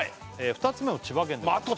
２つ目も千葉県でございます